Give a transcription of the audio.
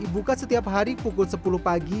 buka setiap hari pukul sepuluh pagi